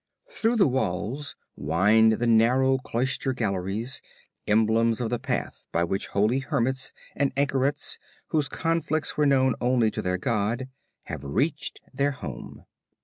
Through the walls wind the narrow cloister galleries; emblems of the path by which holy hermits and anchorets whose conflicts were known only to their GOD, have reached their Home.